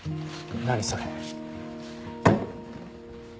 何それ。